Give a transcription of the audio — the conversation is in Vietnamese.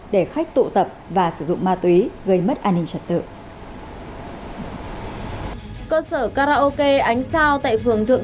để khách tụ tập và sử dụng ma túy gây mất an ninh trật tự cơ sở karaoke ánh sao tại phường thượng